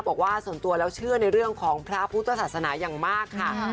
บอกว่าส่วนตัวแล้วเชื่อในเรื่องของพระพุทธศาสนาอย่างมากค่ะ